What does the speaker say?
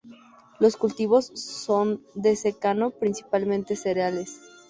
Los cultivos son de secano, principalmente cereales.